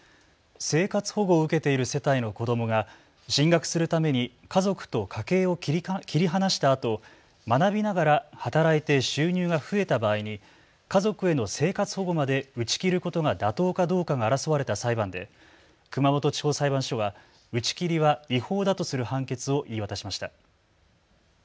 生活保護を受けている世帯の子どもが進学するために家族と家計を切り離したあと学びながら働いて収入が増えた場合に家族への生活保護まで打ち切ることが妥当かどうかが争われた裁判で熊本地方裁判所は打ち切りは違法だとする判決を言い渡しました。